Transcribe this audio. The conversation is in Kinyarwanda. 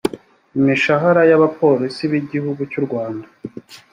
imishahara y’abapolisi b’igihugu cy’u rwanda